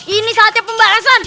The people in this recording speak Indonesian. ini saatnya pembakasan